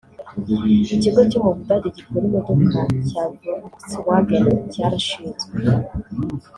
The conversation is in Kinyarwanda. Ikigo cyo mu budage gikora imodoka cya Volkswagen cyarashinzwe